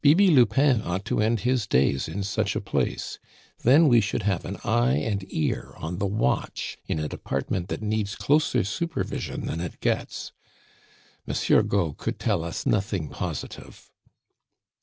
"Bibi Lupin ought to end his days in such a place. Then we should have an eye and ear on the watch in a department that needs closer supervision than it gets. Monsieur Gault could tell us nothing positive."